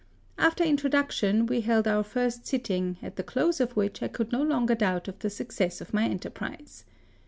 After intro duction, we held our first sitting, at the close of which I could no longer doubt of the suc cess of my enterprise.